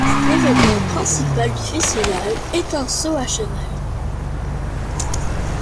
L'événement principal du festival est un saut à cheval.